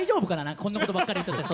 こんなことばかり言っていて。